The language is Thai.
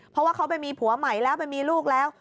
เพราะว่าเขาไปมีผัวใหม่แล้วไปมีลูกแล้ว